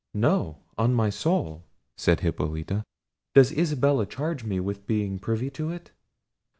"No, on my soul," said Hippolita; "does Isabella charge me with being privy to it?"